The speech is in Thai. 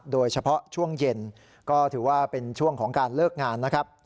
โดยเฉพาะช่วงเย็นก็ถือว่าเป็นช่วงของการเลิกงานนะครับ